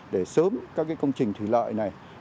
để sớm các công trình thủy lợi